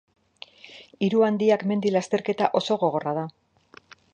Hiru handiak mendi-lasterketa oso gogorra da.